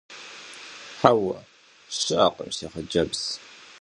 Хьэуэ, щыӏэкъым, си хъыджэбз.